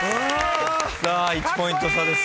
１ポイント差です